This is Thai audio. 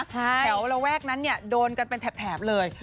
แถวระแวกนั้นเนี่ยโดนกันเป็นแถบเลย